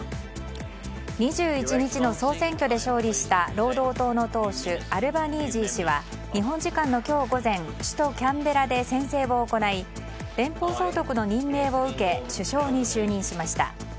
２１日の総選挙で勝利した労働党の党首アルバニージー氏は日本時間の今日午前首都キャンベラで宣誓を行い連邦総督の任命を受け首相に就任しました。